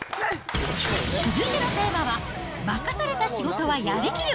続いてのテーマは、任された仕事はやり切る！